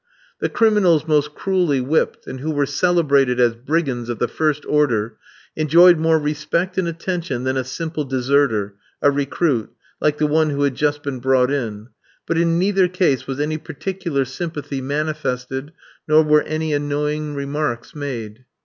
The criminals most cruelly whipped, and who were celebrated as brigands of the first order, enjoyed more respect and attention than a simple deserter, a recruit, like the one who had just been brought in. But in neither case was any particular sympathy manifested, nor were any annoying remarks made.